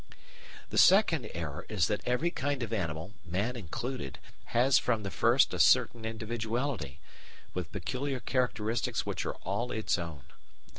The second error is that every kind of animal, man included, has from the first a certain individuality, with peculiar characteristics which are all its own.